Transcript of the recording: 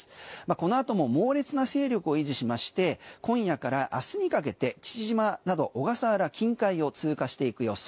このあとも猛烈な勢力を維持しまして今夜から明日にかけて父島など小笠原近海を通過していく予想。